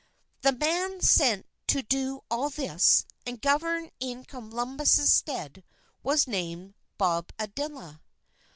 The man sent to do all this, and govern in Columbus's stead, was named Bobadilla.